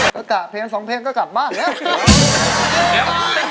ก็กะเพลง๒เพลงก็กลับบ้านเนี่ย